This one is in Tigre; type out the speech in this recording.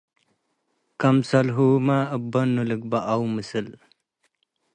ክምሰልሁመ እብ በኑ ልግበእ አው ምስል